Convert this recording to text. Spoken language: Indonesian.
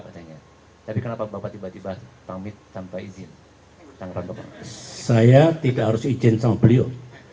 pertanyaannya tapi kenapa bapak tiba tiba pamit tanpa izin tangkap saya tidak harus izin sama beliau